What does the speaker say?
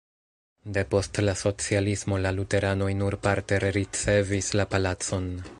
Depost la socialismo la luteranoj nur parte rericevis la palacon.